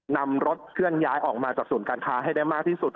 นำรถเคลื่อนย้ายออกมาจากศูนย์การค้าให้ได้มากที่สุด